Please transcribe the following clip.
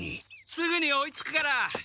すぐに追いつくから！